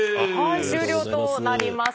終了となります